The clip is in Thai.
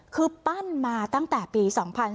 คือปั้นมาตั้งแต่ปี๒๕๕๙